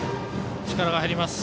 力が入ります。